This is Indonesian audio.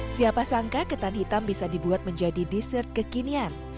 siapa sangka ketan hitam bisa dibuat menjadi dessert kekinian